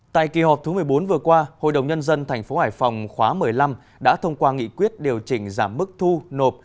tại kỳ họp thứ một mươi bốn vừa qua hội đồng nhân dân tp hải phòng khóa một mươi năm đã thông qua nghị quyết điều chỉnh giảm mức thu nộp